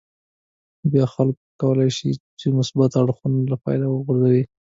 بیا خو خلک کولای شي ټول مثبت اړخونه له پامه وغورځوي.